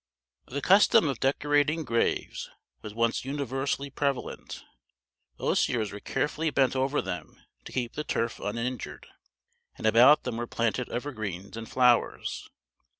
The custom of decorating graves was once universally prevalent: osiers were carefully bent over them to keep the turf uninjured, and about them were planted evergreens and flowers.